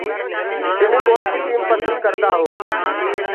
تمي ڪوڻسي ٽيم پسند ڪردآ هو۔